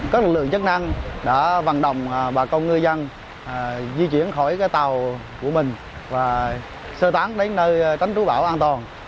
các lực lượng chức năng đã vận động bà con ngư dân di chuyển khỏi tàu của mình và sơ tán đến nơi tránh trú bão an toàn